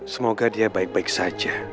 semoga dia baik baik saja